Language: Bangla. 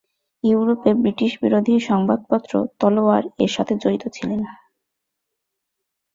ইউরোপে ব্রিটিশবিরোধী সংবাদপত্র 'তলোয়ার' এর সাথে জড়িত ছিলেন।